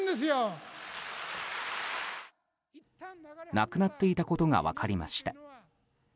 亡くなっていたことが分かりました。